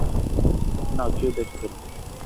না, কেউ দেখে ফেলবে।